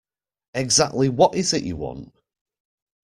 Exactly what is it you want?